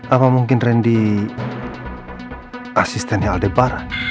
apa mungkin randy asistennya aldebara